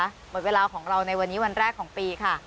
หมดเวลาของเราในวันนี้วันแรกของปีค่ะ